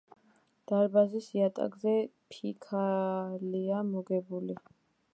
დარბაზის იატაკზე ფიქალია მოგებული.